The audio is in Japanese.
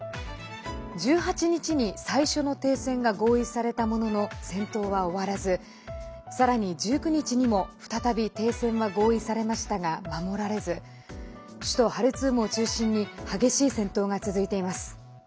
１８日に最初の停戦が合意されたものの戦闘は終わらずさらに、１９日にも再び停戦は合意されましたが守られず首都ハルツームを中心に激しい戦闘が続いています。